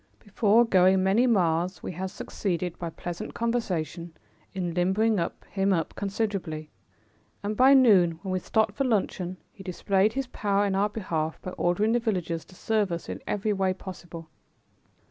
Before going many miles we had succeeded, by pleasant conversation, in limbering him up considerably, and by noon, when we stopped for luncheon, he displayed his power in our behalf by ordering the villagers to serve us in every way possible.